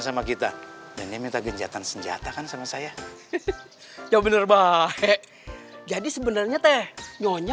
sama kita dan dia minta genjatan senjata kan sama saya ya bener banget jadi sebenarnya teh nyonya